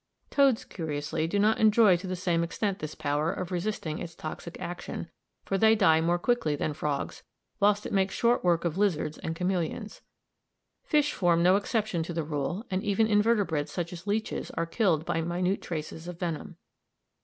Toads, curiously, do not enjoy to the same extent this power of resisting its toxic action, for they die more quickly than frogs, whilst it makes short work of lizards and chameleons. Fish form no exception to the rule, and even invertebrates, such as leeches, are killed by minute traces of venom.